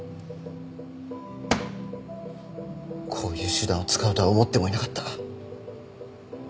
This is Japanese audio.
こういう手段を使うとは思ってもいなかった。